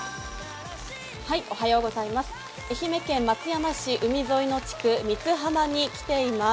愛媛県松山市、海沿いの地区に来ています。